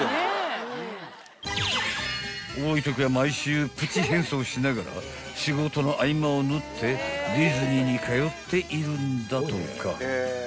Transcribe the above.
［多いときは毎週プチ変装しながら仕事の合間を縫ってディズニーに通っているんだとか］